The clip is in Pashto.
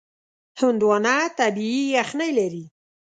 هندوانه طبیعي یخنۍ لري.